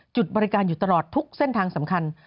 จุดบริการอยู่ตลอดทุกเส้นทางสำคัญ